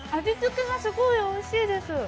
味付けがすごいおいしいです。